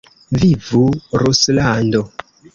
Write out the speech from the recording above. Vivu Ruslando!